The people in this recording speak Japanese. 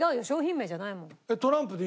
商品名じゃないもん。